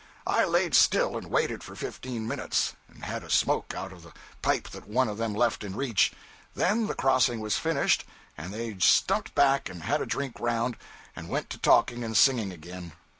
I laid still and waited for fifteen minutes, and had a smoke out of a pipe that one of them left in reach; then the crossing was finished, and they stumped back and had a drink around and went to talking and singing again.